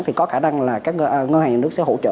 thì có khả năng là các ngân hàng nhà nước sẽ hỗ trợ